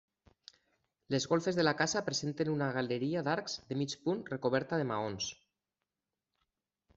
Les golfes de la casa presenten una galeria d'arcs de mig punt recoberta de maons.